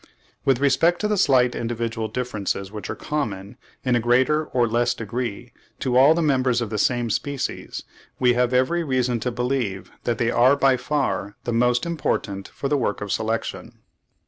With respect to the slight individual differences which are common, in a greater or less degree, to all the members of the same species, we have every reason to believe that they are by far the most important for the work of selection.